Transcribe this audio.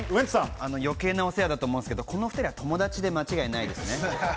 余計なお世話だと思うんですが、この２人は友達で間違いないですか？